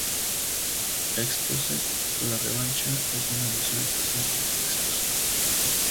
Exposed: La Revancha es una edición especial de "Exposed".